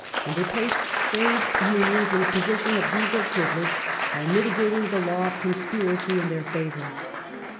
f 1878] TRADES UNIONS 443 they placed Trades Unions in a position of legal privilege by miti gating the law of conspiracy in their favour.